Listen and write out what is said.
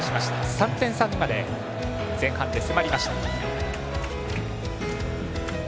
３点差にまで前半で迫りました。